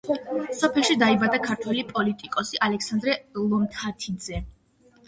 სოფელში დაიბადა ქართველი პოლიტიკოსი ალექსანდრე ლომთათიძე.